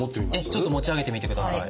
ちょっと持ち上げてみてください。